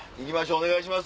お願いします